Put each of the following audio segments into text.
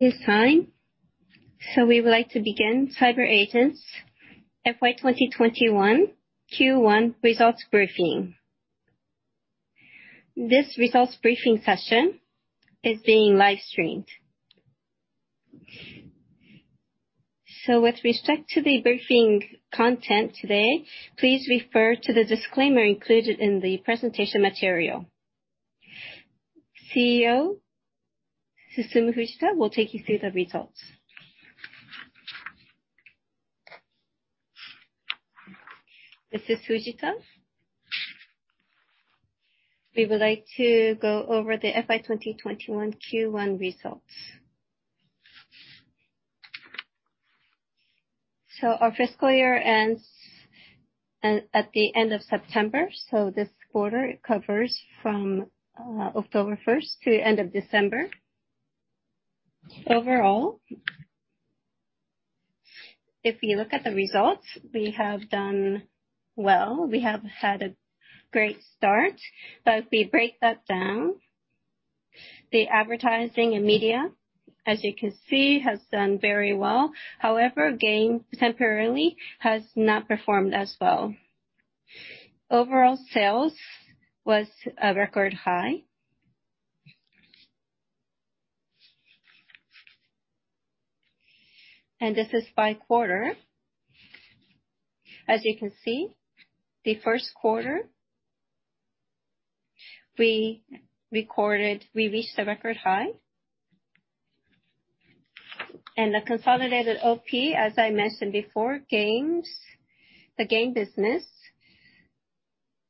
This time, we would like to begin CyberAgent's FY 2021 Q1 results briefing. This results briefing session is being live-streamed. With respect to the briefing content today, please refer to the disclaimer included in the presentation material. CEO Susumu Fujita will take you through the results. This is Fujita. We would like to go over the FY 2021 Q1 results. Our fiscal year ends at the end of September. This quarter covers from October 1st to end of December. Overall, if you look at the results, we have done well. We have had a great start, but if we break that down, the advertising and media, as you can see, has done very well. However, game temporarily has not performed as well. Overall sales was a record high, this is by quarter. As you can see, the first quarter, we reached the record high. The consolidated OP, as I mentioned before, the game business,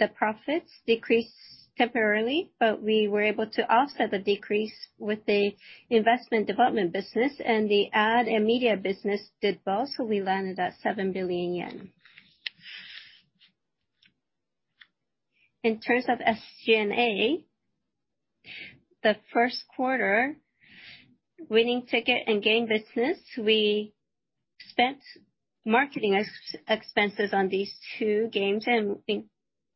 the profits decreased temporarily, but we were able to offset the decrease with the investment development business, and the ad and media business did well, so we landed at 7 billion yen. In terms of SG&A, the first quarter, WINTICKET and game business, we spent marketing expenses on these two games and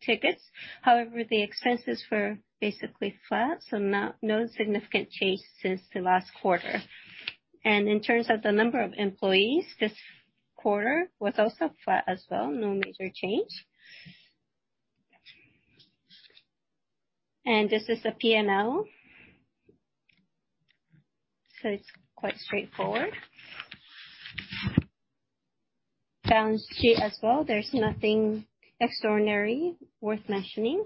tickets. However, the expenses were basically flat, so no significant change since the last quarter. In terms of the number of employees this quarter was also flat as well, no major change. This is the P&L, it's quite straightforward. Balance sheet as well, there's nothing extraordinary worth mentioning.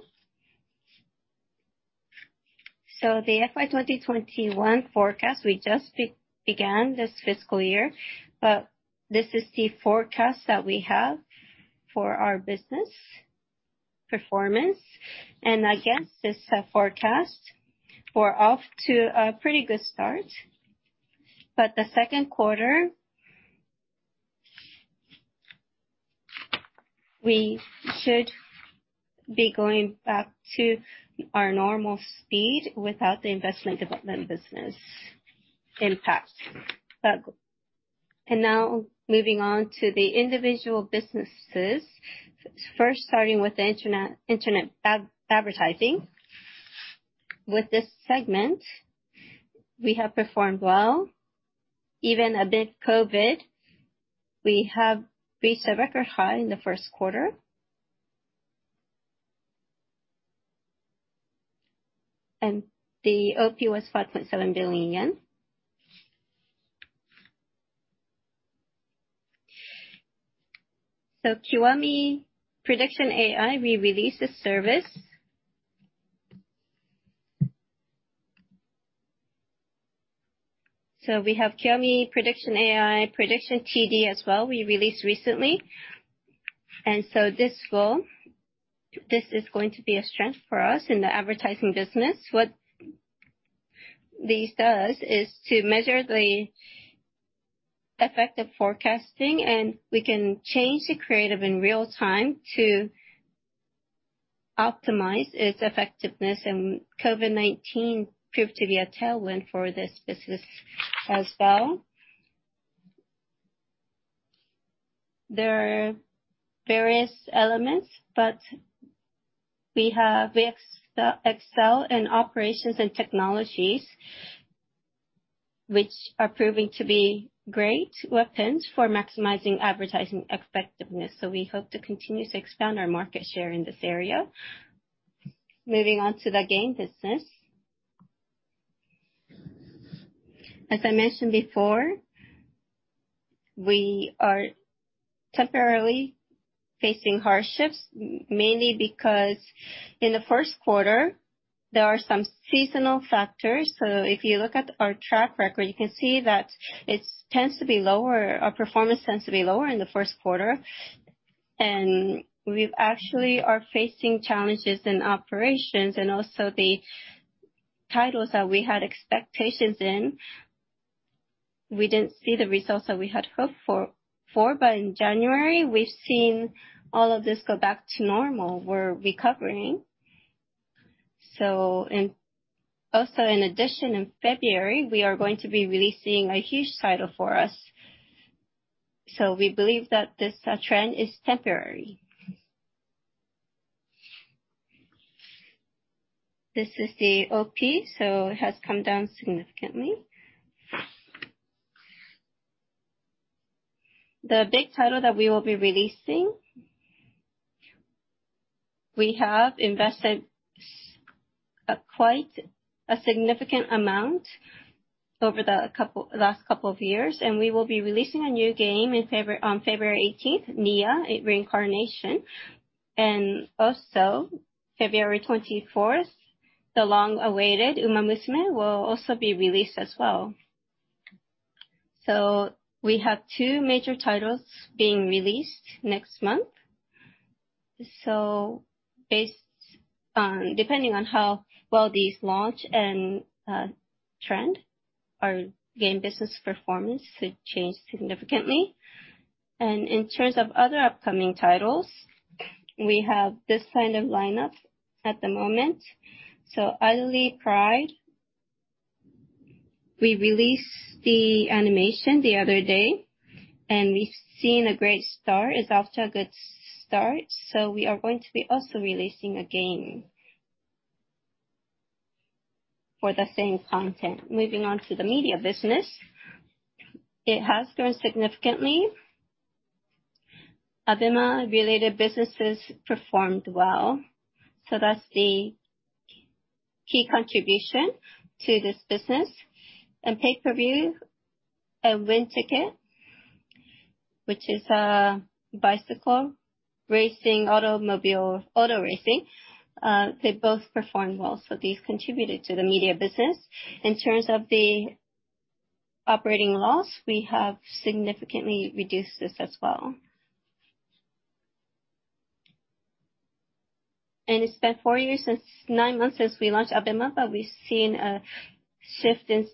The FY 2021 forecast, we just began this fiscal year, but this is the forecast that we have for our business performance. Against this forecast, we're off to a pretty good start. The second quarter, we should be going back to our normal speed without the investment development business impact. Now moving on to the individual businesses, first starting with the internet advertising. With this segment, we have performed well. Even amid COVID, we have reached a record high in the first quarter, the OP was JPY 5.7 billion. Kiwami Prediction AI, we released a service. We have Kiwami Prediction AI, Prediction TD as well we released recently, this is going to be a strength for us in the advertising business. What this does is to measure the effect of forecasting, and we can change the creative in real time to optimize its effectiveness, and COVID-19 proved to be a tailwind for this business as well. There are various elements, but we excel in operations and technologies, which are proving to be great weapons for maximizing advertising effectiveness. We hope to continue to expand our market share in this area. Moving on to the game business. As I mentioned before, we are temporarily facing hardships, mainly because in the first quarter, there are some seasonal factors. If you look at our track record, you can see that our performance tends to be lower in the first quarter. We actually are facing challenges in operations and also the titles that we had expectations in, we didn't see the results that we had hoped for. In January, we've seen all of this go back to normal, we're recovering. Also, in addition, in February, we are going to be releasing a huge title for us. We believe that this trend is temporary. This is the OP, it has come down significantly. The big title that we will be releasing, we have invested quite a significant amount over the last couple of years, we will be releasing a new game on February 18th, NieR Reincarnation. February 24th, the long-awaited Umamusume will also be released as well. We have two major titles being released next month. Depending on how well these launch and trend, our game business performance could change significantly. In terms of other upcoming titles, we have this line of lineup at the moment; IDOLY PRIDE, we released the animation the other day, we've seen a great start, it's off to a good start. We are going to be also releasing a game for the same content. Moving on to the media business, it has grown significantly. ABEMA-related businesses performed well, so that's the key contribution to this business. Pay-per-view on WINTICKET, which is a bicycle racing, auto racing, they both performed well. These contributed to the media business. In terms of the operating loss, we have significantly reduced this as well. It's been nine months since we launched ABEMA, but we've seen a shift in downloads.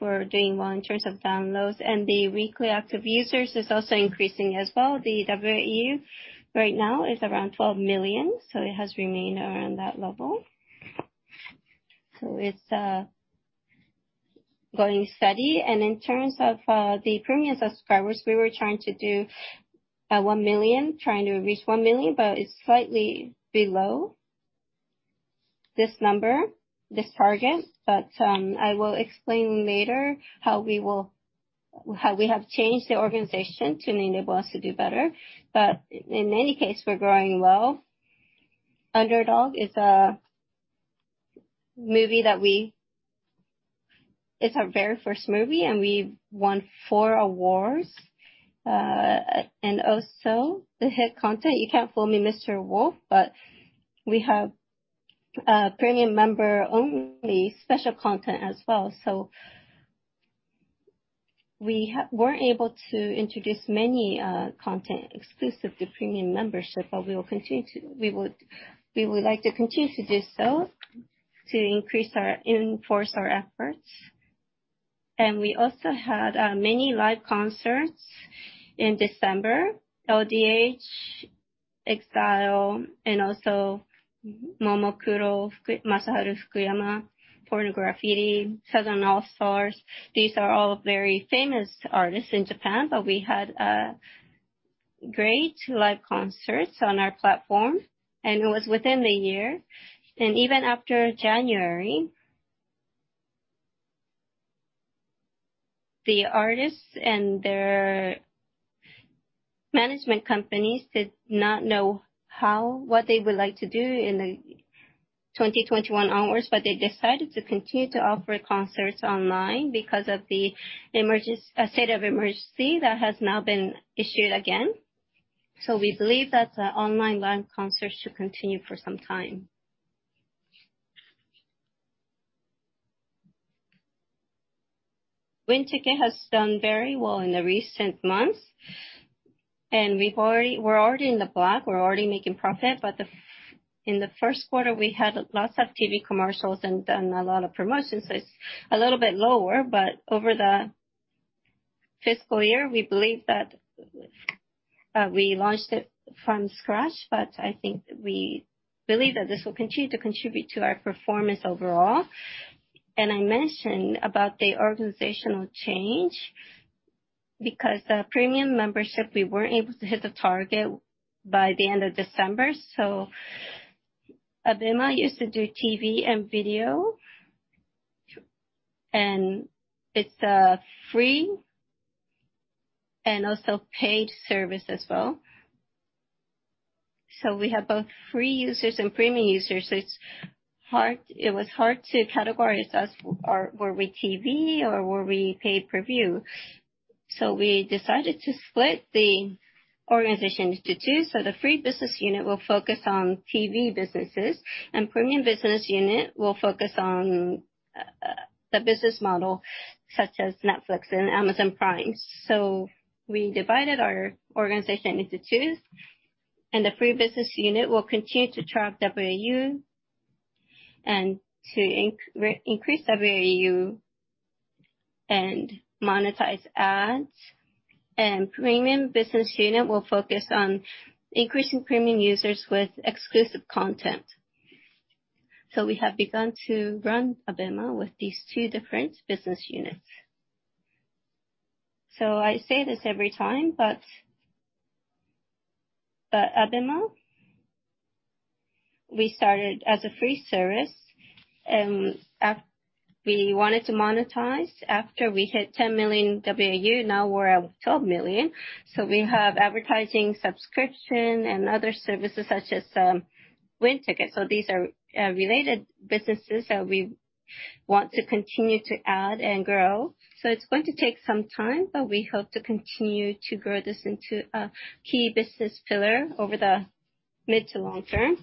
We're doing well in terms of downloads, and the weekly active users is also increasing as well. The WAU right now is around 12 million, so it has remained around that level, it's going steady. In terms of the premium subscribers, we were trying to reach 1 million, but it's slightly below this target. I will explain later how we have changed the organization to enable us to do better. In any case, we're growing well. Underdog, it's our very first movie, and we won four awards. Also the hit content, You Can't Fool Me, Mr. Wolf, but we have premium member-only special content as well. We weren't able to introduce many content exclusive to premium membership, but we would like to continue to do so to enforce our efforts. We also had many live concerts in December. LDH, EXILE, Momoclo, Masaharu Fukuyama, Porno Graffitti, Southern All Stars. These are all very famous artists in Japan, but we had great live concerts on our platform, and it was within the year. Even after January, the artists and their management companies did not know what they would like to do in the 2021 onwards, but they decided to continue to offer concerts online because of the state of emergency that has now been issued again. We believe that the online live concerts should continue for some time. WINTICKET has done very well in the recent months, and we're already in the black, making profit, but in the first quarter, we had lots of TV commercials and done a lot of promotions, so it's a little bit lower. Over the fiscal year, we believe that we launched it from scratch, but I think we believe that this will continue to contribute to our performance overall. I mentioned about the organizational change, because the premium membership, we weren't able to hit the target by the end of December. ABEMA used to do TV and video, and it's a free and also paid service as well. We have both free users and premium users, so it was hard to categorize us. Were we TV or were we pay-per-view? We decided to split the organization into two. The free business unit will focus on TV businesses, and premium business unit will focus on the business model such as Netflix and Amazon Prime. We divided our organization into two, and the free business unit will continue to track WAU, and to increase WAU and monetize ads, and premium business unit will focus on increasing premium users with exclusive content. We have begun to run ABEMA with these two different business units. I say this every time, but ABEMA, we started as a free service, and we wanted to monetize after we hit 10 million WAU, now we're at 12 million. We have advertising, subscription, and other services such as WINTICKET. These are related businesses that we want to continue to add and grow. It's going to take some time, but we hope to continue to grow this into a key business pillar over the mid to long term.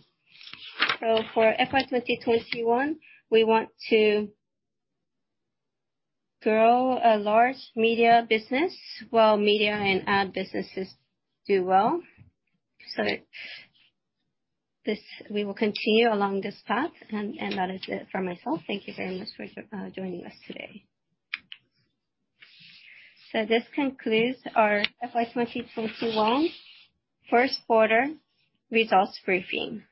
For FY 2021, we want to grow a large media business. While media and ad businesses do well, we will continue along this path, and that is it for myself. Thank you very much for joining us today. This concludes our FY 2021 first quarter results briefing.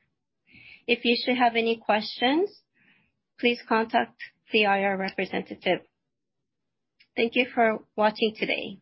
If you should have any questions, please contact the IR representative. Thank you for watching today.